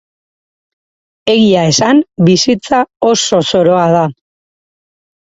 Egia esan, bizitza oso zoroa da.